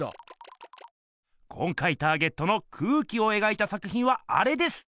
今回ターゲットの空気を描いた作ひんはあれです！